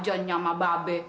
dasar aja nyama babe